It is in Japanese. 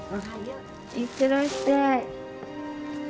いってらっしゃい。